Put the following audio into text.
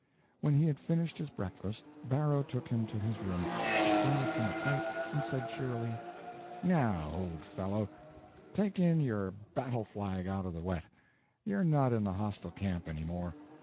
When he had finished his breakfast, Barrow took him to his room, furnished him a pipe, and said cheerily: "Now, old fellow, take in your battle flag out of the wet, you're not in the hostile camp any more.